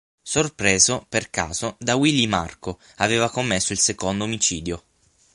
Sorpreso, per caso, da Willy Marco, aveva commesso il secondo omicidio.